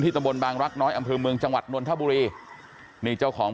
ที่ตำบลบางรักน้อยอำพลบริเวณจังหวัดนวลทะบุรีนี่เจ้าของ